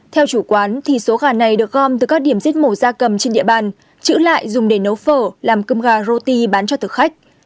theo chủ quán thì số gà này được gom từ các điểm giết mổ ra cầm trên địa bàn chữ lại dùng để nấu phở làm cơm gà rô ti bán cho thực khách